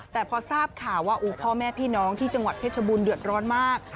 แต่พอทราบข่าวว่าพ่อแม่พี่น้องที่จังหวัดเพชรบูรณเดือดร้อนมาก